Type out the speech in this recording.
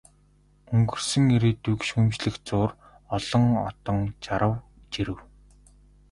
Өнгөрсөн ирээдүйг шүүмжлэх зуур олон одон жарав, жирэв.